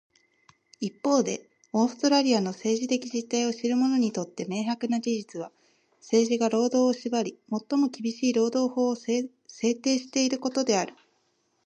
一方で、オーストラリアの政治的実態を知る者にとって明白な事実は、政治が労働を縛り、最も厳しい労働法を制定していることである。